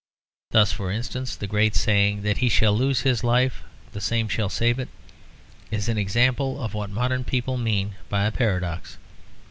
Thus, for instance, the great saying, "He that shall lose his life, the same shall save it," is an example of what modern people mean by a paradox.